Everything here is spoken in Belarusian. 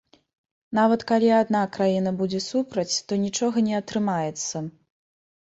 Нават калі адна краіна будзе супраць, то нічога не атрымаецца.